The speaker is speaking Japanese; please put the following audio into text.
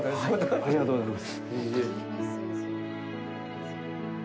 ありがとうございます。